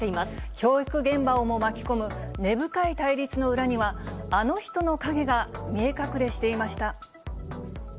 教育現場をも巻き込む根深い対立の裏には、あの人の影が見え隠れしていました。